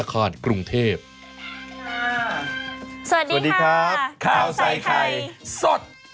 ข้าวใส่ไข่สด